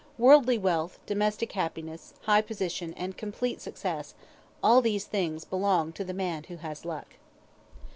Worldly wealth, domestic happiness, high position, and complete success all these things belong to the man who has luck.